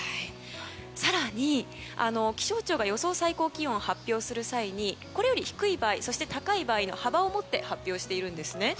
更に、気象庁が予想最高気温を発表する際にこれより低い場合そして高い場合と幅を持って発表しているんですね。